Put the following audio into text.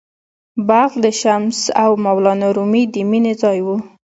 بلخ د “شمس او مولانا رومي” د مینې ځای و.